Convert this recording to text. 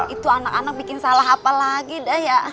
itu anak anak bikin salah apa lagi dayak